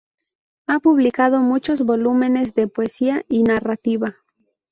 Ha publicado muchos volúmenes de poesía y narrativa.